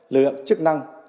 lực lượng chức năng